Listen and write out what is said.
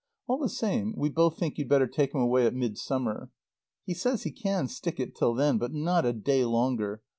All the same we both think you'd better take him away at Midsummer. He says he can stick it till then, but not a day longer.